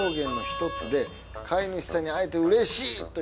飼い主さんに会えてうれしい！という。